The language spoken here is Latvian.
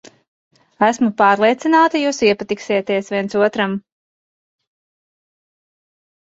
Esmu pārliecināta, jūs iepatiksieties viens otram.